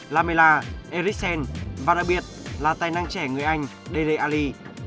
lamela eriksen và đã biết là tài năng trẻ người anh dele alli